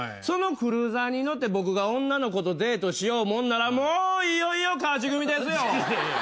そのクルーザーに乗って僕が女の子とデートしようもんならもういよいよ勝ち組ですよ！